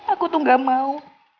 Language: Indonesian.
aku tuh nggak mau